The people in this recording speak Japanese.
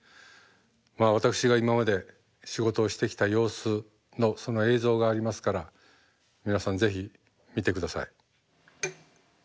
まあ私が今まで仕事をしてきた様子のその映像がありますから皆さんぜひ見て下さい。